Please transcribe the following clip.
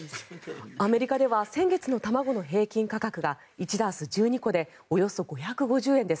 アメリカでは先月の卵の平均価格が１ダース１２個でおよそ５５０円です。